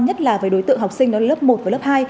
nhất là đối tượng học sinh lớp một và lớp hai